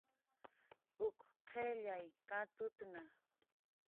Uk qillay katutna